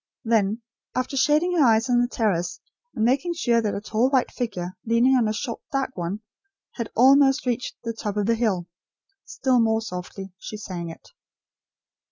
Then, after shading her eyes on the terrace, and making sure that a tall white figure leaning on a short dark one, had almost reached the top of the hill, still more softly, she sang it.